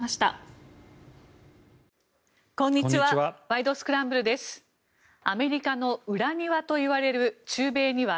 こんにちは。